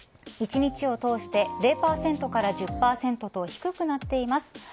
１日を通して０％から１０％と低くなっています。